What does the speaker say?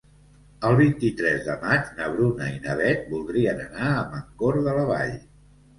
El vint-i-tres de maig na Bruna i na Beth voldrien anar a Mancor de la Vall.